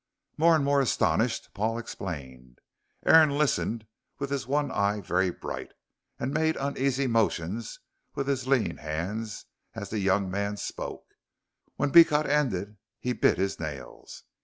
More and more astonished, Paul explained. Aaron listened with his one eye very bright, and made uneasy motions with his lean hands as the young man spoke. When Beecot ended he bit his nails.